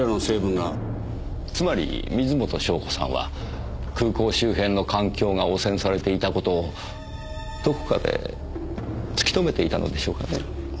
つまり水元湘子さんは空港周辺の環境が汚染されていた事をどこかで突き止めていたのでしょうかねぇ。